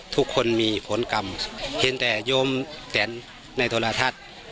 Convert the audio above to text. ทุกคนมีผลกรรมเห็นแต่โยมแตนในโทรทัศน์